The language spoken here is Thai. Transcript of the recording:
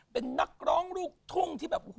เป็นนักร้องลูกทุ่งที่แบบ